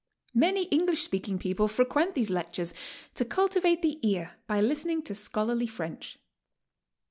Many Eng lish speaking people frequent these lectures to cultivate the ear by listening to scholarly French.